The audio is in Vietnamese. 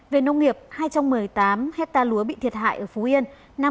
về nông nghiệp hai trăm một mươi tám hectare lúa bị thiệt hại ở phú yên